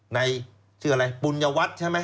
ในชื่ออะไรปุนยาวัฒน์ใช่มั้ย